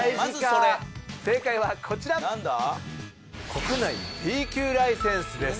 国内Ｂ級ライセンスです。